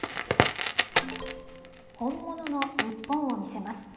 本物の日本を見せます。